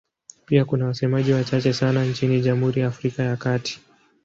Pia kuna wasemaji wachache sana nchini Jamhuri ya Afrika ya Kati.